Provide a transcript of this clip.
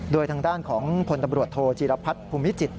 โดยทางด้านของพลตำรวจโทจีรพัฒน์ภูมิจิต